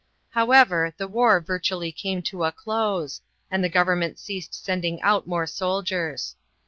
However, the war virtually came to a close, and the Government ceased sending out more soldiers.